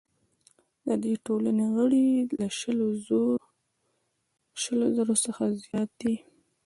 د دې ټولنې غړي له شلو زرو څخه زیات دي.